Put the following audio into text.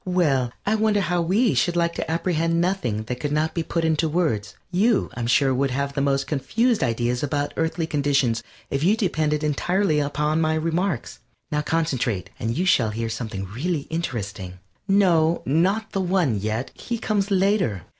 Well, I wonder how we should like to apprehend nothing that could not be put into words? You, I'm sure, would have the most confused ideas about Earthly conditions if you depended entirely upon my remarks. Now concentrate, and you shall hear something really interesting. No, not the One yet. He comes later.